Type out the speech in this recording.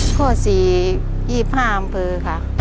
ข้อ๔๒๕อำเภอค่ะ